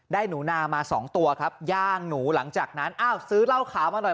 หนูนามาสองตัวครับย่างหนูหลังจากนั้นอ้าวซื้อเหล้าขาวมาหน่อย